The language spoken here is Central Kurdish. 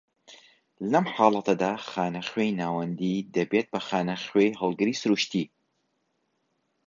لەم حاڵەتەدا، خانە خوێی ناوەندی دەبێت بە خانی خوێی هەڵگری سروشتی